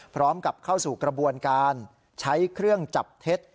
พร้อมกับเข้าสู่กระบวนการใช้เครื่องจับเท็จ